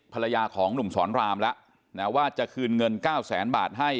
ภรรยาของหนุ่มสอนรามแล้วนะว่าจะคืนเงิน๙แสนบาทให้